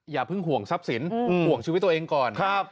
อย่าเพิ่งห่วงทรัพย์สินห่วงชีวิตตัวเองก่อน